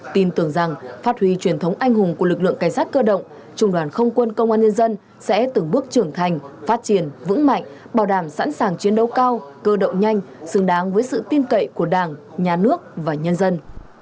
tin tưởng rằng phát huy truyền thống anh hùng của lực lượng cảnh sát cơ động trung đoàn không quân công an nhân dân sẽ từng bước trưởng thành phát triển vững mạnh bảo đảm sẵn sàng chiến đấu cao cơ động nhanh xứng đáng với sự tin cậy của đảng nhà nước và nhân dân